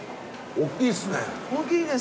大きいです。